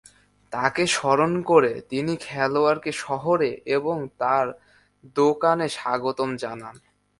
তাকে স্মরণ করে, তিনি খেলোয়াড়কে শহরে এবং তার দোকানে স্বাগত জানান।